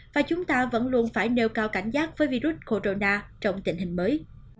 và chúng ta vẫn luôn phải nêu cao cảnh giác với virus corona trong tình hình mới